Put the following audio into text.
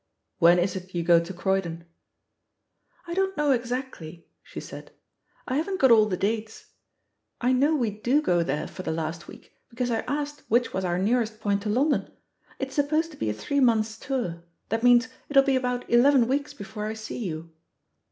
'When is it you go to Croydon?'* 'I don't know exactly," she said; "I haven't got all the dates. I know we do go there for the last week, because I asked which was our nearest point to London. It's supposed to be a three months' tour — ^that means, it'll be about eleven weeks before I see you.